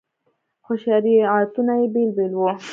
خو شریعتونه یې بېل بېل وو.